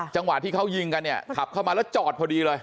จังหวะที่เขายิงกันเนี่ยขับเข้ามาแล้วจอดพอดีเลย